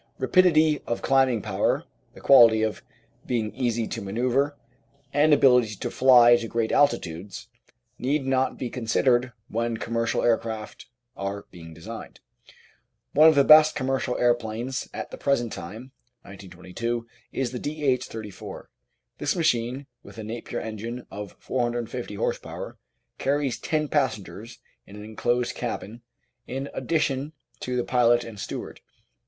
Rapidity of climbing power, the quality of being easy to manoeuvre, and ability to fly to great altitudes need not be considered when commercial aircraft are being designed. One of the best commercial aeroplanes at the present time (1922) is the D.H. 34. This machine with a Napier engine of 450 h.p. carries ten passengers in an enclosed cabin in addition to the pilot and steward.